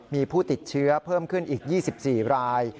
มีผู้ติดเชื้อเพิ่มขึ้นอีก๒๔ราย